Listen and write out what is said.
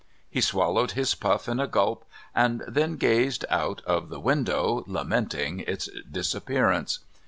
He swallowed his puff in a gulp, and then gazed out of the window lamenting its disappearance.